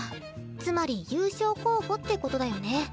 つまり優勝候補ってことだよね。